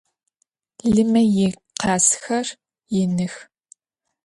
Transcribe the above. Lime yikhazxer yinıx.